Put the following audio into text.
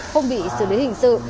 không bị xử lý hình sự